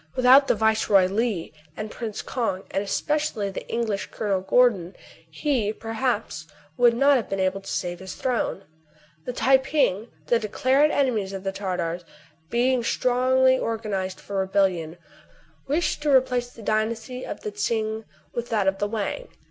Without the Viceroy Li, and Prince Kong, and especially the . English Colonel Gordon, he, per haps, would not have been able to save his throne. The Tai ping, the declared enemies of the Tar tars, being strongly organized for rebellion, wished to replace the dynasty of the Tsing for that, of the Wang.